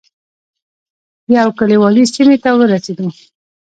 یو کلیوالي سیمې ته ورسېدو.